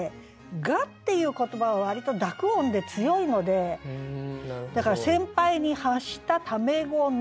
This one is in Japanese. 「が」っていう言葉は割と濁音で強いのでだから「先輩に発したタメ語の着く前に」。